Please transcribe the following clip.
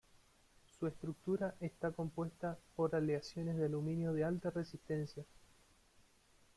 Su estructura está compuesta por aleaciones de aluminio de alta resistencia.